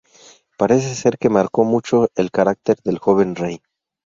Parece ser que marcó mucho el carácter del joven rey.